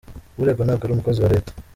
Uregwa ntabwo ari umukozi wa Leta.